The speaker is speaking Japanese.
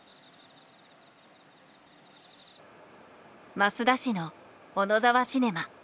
益田市の小野沢シネマ。